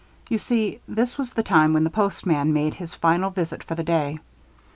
You see, this was the time when the postman made his final visit for the day.